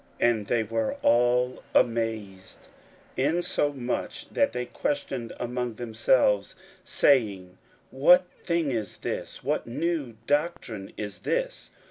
41:001:027 And they were all amazed, insomuch that they questioned among themselves, saying, What thing is this? what new doctrine is this?